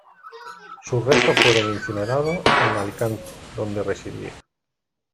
Sus restos fueron incinerados en Alicante, donde residía.